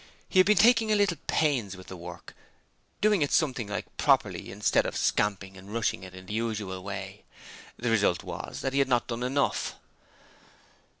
He had been taking a little pains with the work, doing it something like properly, instead of scamping and rushing it in the usual way. The result was that he had not done enough.